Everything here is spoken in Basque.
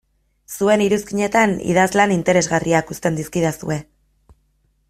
Zuen iruzkinetan idazlan interesgarriak uzten dizkidazue.